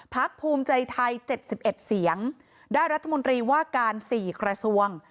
ภูมิใจไทย๗๑เสียงได้รัฐมนตรีว่าการ๔กระทรวง